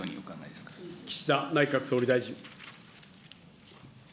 ま岸田内閣総理大臣。